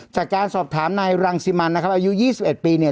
จากการสอบถามนายรังสิมันนะครับอายุ๒๑ปีเนี่ย